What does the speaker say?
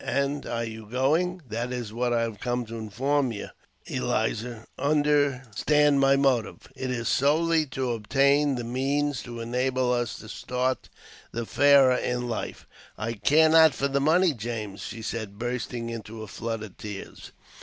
" And are you going? "" That is what I have come to inform you, Eliza. Under JAMES P. BEGKWOVBTH. 93 stand my motive — it is solely to obtain the means to enable us to start the fairer in life." "I care not for money, James," she said, bursting into a flood of tears.